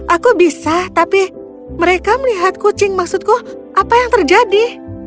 aku bisa tapi mereka melihat kucing maksudku apa yang terjadi